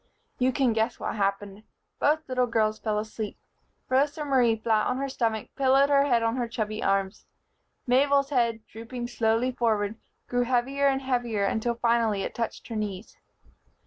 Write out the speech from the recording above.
You can guess what happened. Both little girls fell asleep. Rosa Marie, flat on her stomach, pillowed her head on her chubby arms. Mabel's head, drooping slowly forward, grew heavier and heavier until finally it touched her knees.